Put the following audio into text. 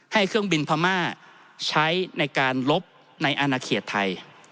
เครื่องบินพม่าใช้ในการลบในอนาเขตไทย